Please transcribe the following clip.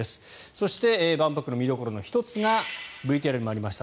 そして、万博の見どころの１つがＶＴＲにもありました。